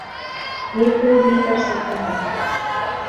یہ کوئی بھی کر سکتا ہے۔